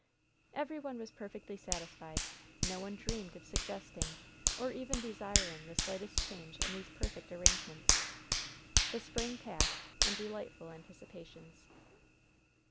Every one was perfectly satisfied. No one dreamed of suggesting or even desiring the slightest change in these perfect arrangements. The spring passed in delightful anticipations.